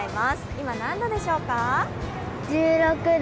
今、何度でしょうか？